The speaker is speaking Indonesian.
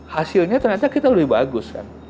hasilnya ternyata kita lebih bagus kan